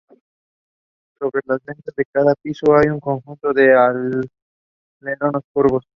Sobre las ventanas de cada piso hay un conjunto de aleros curvos.